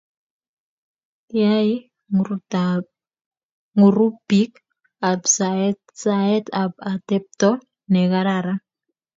Kiayay grupit ab saet saet ab atepto ne kararan